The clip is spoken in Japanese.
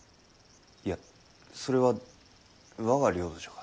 いやそれは我が領土じゃが。